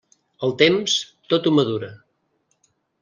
El temps, tot ho madura.